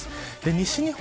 西日本